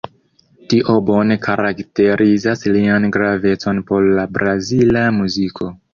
Tio bone karakterizas lian gravecon por la brazila muziko.